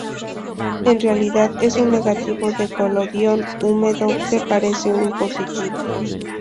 En realidad, es un negativo de colodión húmedo, que parece un positivo.